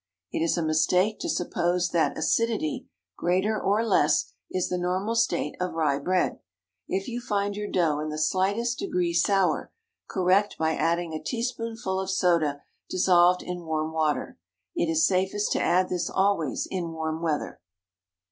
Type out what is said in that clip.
It is a mistake to suppose that acidity, greater or less, is the normal state of rye bread. If you find your dough in the slightest degree sour, correct by adding a teaspoonful of soda dissolved in warm water. It is safest to add this always in warm weather.